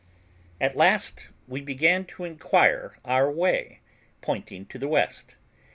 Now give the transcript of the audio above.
At last we began to inquire our way, pointing to the west.